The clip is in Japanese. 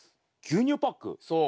牛乳パック？そう。